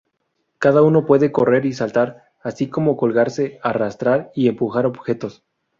Cada uno puede correr y saltar, así como colgarse, arrastrar y empujar objetos.